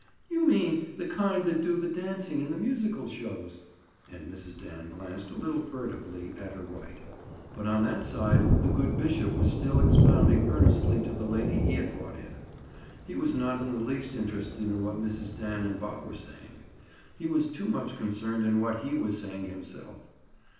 "You mean the kind that do the dancing in the musical shows." And Mrs. Dan glanced a little furtively at her right. But on that side the good bishop was still expounding earnestly to the lady he had brought in. He was not in the least interested in what Mrs. Dan and Bob were saying. He was too much concerned in what he was saying himself.